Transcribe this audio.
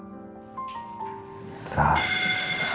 kita kan pernah hidup lama berdua